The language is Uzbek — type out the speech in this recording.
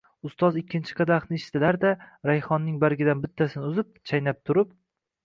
Ustoz ikkinchi qadaxni ichdilar-da rayhonning bargidan bittasini uzib, chaynab turib: